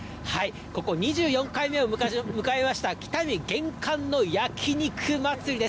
ここ、２４回目を迎えました、北見厳寒の焼き肉まつりです。